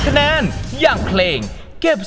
ก็หนาวกะเน็ตเดือนหกเดือนเจ็ด